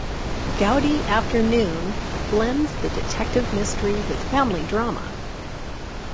"Gaudi Afternoon" blends the detective mystery with family drama.